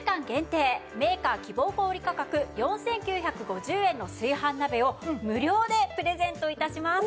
メーカー希望小売価格４９５０円の炊飯鍋を無料でプレゼント致します。